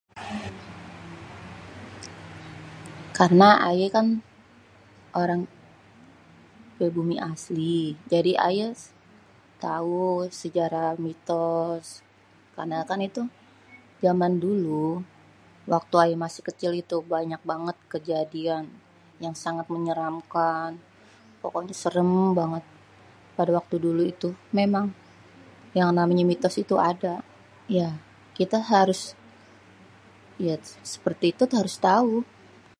Karna ayé kan orang pribumi asli jadi aye tau sejarah mitos, karna kan itu jaman dulu waktu ayé masi kecil itu banyak banget kejadian yang sangat menyeramkan. Pokoknye serem banget pada waktu dulu itu. Memang yang namanya mitos itu ada ya. Kita harus seperti itu harus tau.